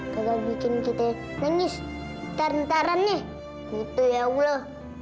kalau bikin kita nangis tarantarannya itu ya allah